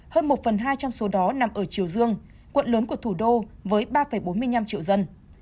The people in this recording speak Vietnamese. hơn một phần hai trong số đó nằm ở chiều dương quận lớn của thủ đô với ba bốn mươi năm triệu dân